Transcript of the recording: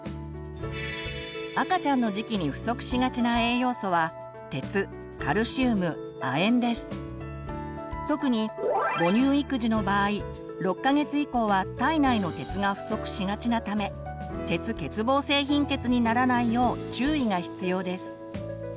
赤ちゃんの時期に不足しがちな栄養素は特に母乳育児の場合６か月以降は体内の鉄が不足しがちなため鉄欠乏性貧血にならないよう注意が必要です。